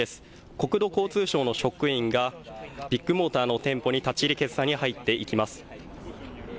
国土交通省の職員がビッグモーターの店舗に立ち入り検査に入っていきます。